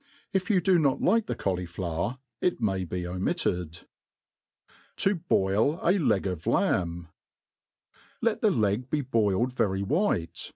If you do not like the cauli* flower, it may be omitted. To hoil a Leg of Lamb* LET the leg be boiled very white.